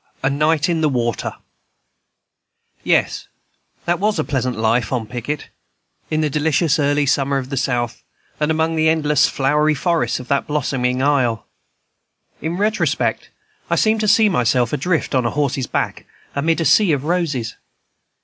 A Night in the Water Yes, that was a pleasant life on picket, in the delicious early summer of the South, and among the endless flowery forests of that blossoming isle. In the retrospect I seem to see myself adrift upon a horse's back amid a sea of roses.